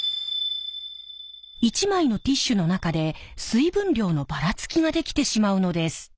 １枚のティッシュの中で水分量のバラつきができてしまうのです。